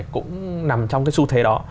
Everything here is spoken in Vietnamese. cũng nằm trong cái xu thế đó